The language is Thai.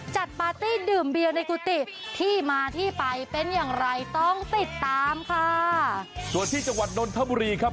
จัดปาร์ตี้ดื่มเบียวในกุฏิที่มาที่ไปเป็นอย่างไรต้องติดตามค่ะ